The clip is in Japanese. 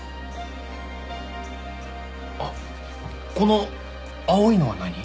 あっこの青いのは何？